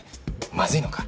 まずいのか？